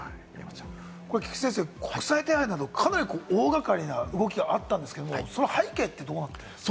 菊地先生、国際手配だとかなり大掛かりな動きがあったんですけど、その背景って、どうなってるんですか？